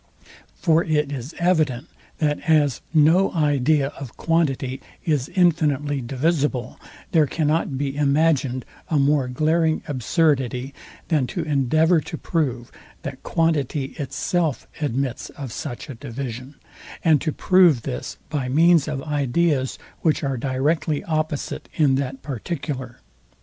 For it is evident, that as no idea of quantity is infinitely divisible, there cannot be imagined a more glaring absurdity, than to endeavour to prove, that quantity itself admits of such a division; and to prove this by means of ideas, which are directly opposite in that particular.